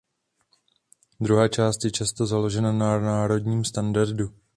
Druhá část je často založena na národním standardu.